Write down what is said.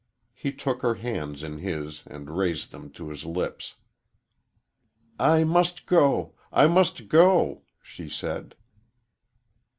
He took her hands in his and raised them to his lips. "I must go; I must go," she said.